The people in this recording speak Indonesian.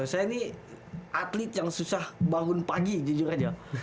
saya ini atlet yang susah bangun pagi jujur aja